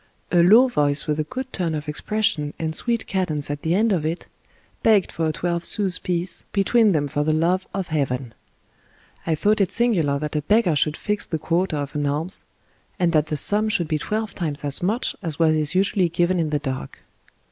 A low voice with a good turn of expression and sweet cadence at the end of it, begged for a twelve sous piece between them for the love of heaven. I thought it singular that a beggar should fix the quota of an alms, and that the sum should be twelve times as much as what is usually given in the dark.